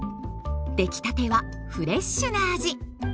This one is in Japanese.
できたてはフレッシュな味。